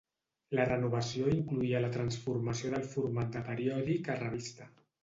La renovació incloïa la transformació del format de periòdic a revista.